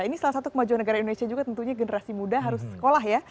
ini salah satu kemajuan negara indonesia juga tentunya generasi muda harus sekolah ya